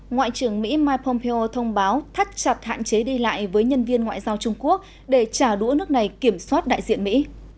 ngoại trưởng mỹ mike pompeo thông báo thắt chặt hạn chế đi lại với nhân viên ngoại giao trung quốc để trả đũa nước này kiểm soát đại diện mỹ